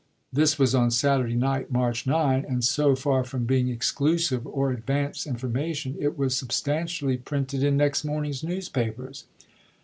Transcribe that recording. This was on Saturday night, March 9, and so far from being exclusive or advance information, it was substantially printed in next morning's newspapers.